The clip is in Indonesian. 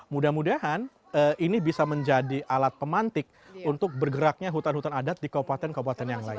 mudah mudahan ini bisa menjadi alat pemantik untuk bergeraknya hutan hutan adat di kabupaten kabupaten yang lain